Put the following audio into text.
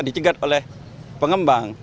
dicegat oleh pengembang